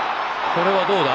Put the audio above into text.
これはどうだ？